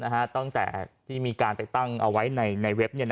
ตั้งแต่ที่มีการไปตั้งเอาไว้ในเว็บ